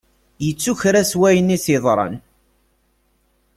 Yettu kra seg wayen i as-iḍran.